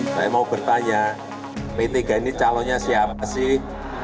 saya mau bertanya p tiga ini calonnya siapa sih